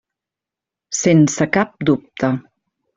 Sense cap dubte.